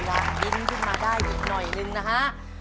เวลาดิ้งขึ้นมาได้อีกหน่อยหนึ่งนะฮะ